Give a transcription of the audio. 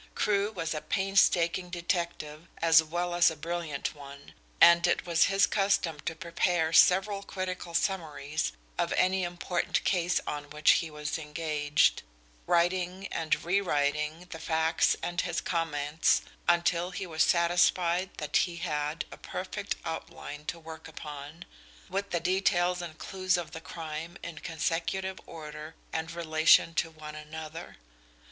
Crewe was a painstaking detective as well as a brilliant one, and it was his custom to prepare several critical summaries of any important case on which he was engaged, writing and rewriting the facts and his comments, until he was satisfied that he had a perfect outline to work upon, with the details and clues of the crime in consecutive order and relation to one another.